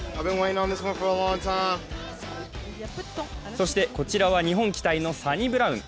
そして、こちらは日本期待のサニブラウン。